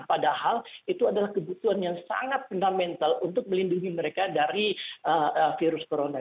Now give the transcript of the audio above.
padahal itu adalah kebutuhan yang sangat fundamental untuk melindungi mereka dari virus corona